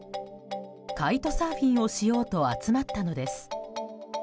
カイトサーフィンをしようと集まったのです。